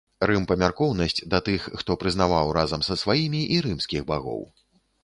Рым-памяркоўнасць да тых, хто прызнаваў разам са сваімі і рымскіх багоў.